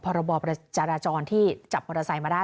ของประบอบจรรย์ที่จับมอเตอร์ไซค์มาได้